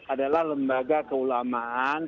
adalah lembaga keulamaan